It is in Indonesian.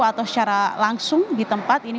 atau secara langsung di tempat ini